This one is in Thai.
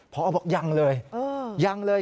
พอบอกยังเลยยังเลย